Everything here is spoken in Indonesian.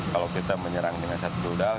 kalau kita menyerang dengan satu rudal